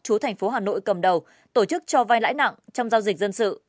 chú thành phố hà nội cầm đầu tổ chức cho vai lãi nặng trong giao dịch dân sự